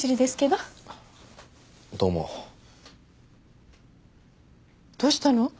どうしたの？